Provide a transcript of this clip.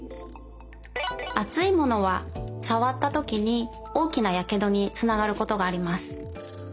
あついものはさわったときにおおきなやけどにつながることがあります。